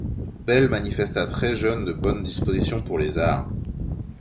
Belle manifesta très jeune de bonnes dispositions pour les arts.